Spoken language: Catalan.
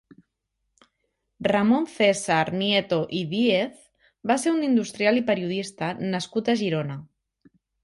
Ramon Cèsar Nieto i Díez va ser un industrial i periodista nascut a Girona.